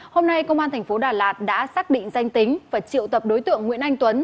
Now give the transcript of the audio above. hôm nay công an thành phố đà lạt đã xác định danh tính và triệu tập đối tượng nguyễn anh tuấn